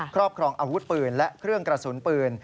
ครอบครองอาวุธปืนและเครื่องกระสุนปืน